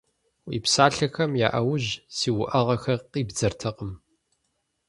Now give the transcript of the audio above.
Уи псалъэхэм я Ӏэужь си уӀэгъэхэр къибдзэртэкъым.